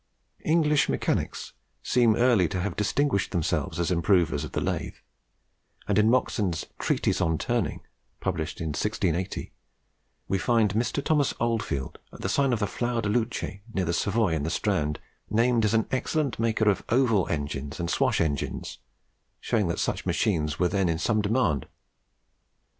English mechanics seem early to have distinguished themselves as improvers of the lathe; and in Moxon's 'Treatise on Turning,' published in 1680, we find Mr. Thomas Oldfield, at the sign of the Flower de Luce, near the Savoy in the Strand, named as an excellent maker of oval engines and swash engines, showing that such machines were then in some demand.